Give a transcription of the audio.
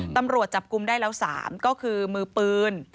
ตำรวจจับกลุ่มได้แล้ว๓ก็คือมือปืน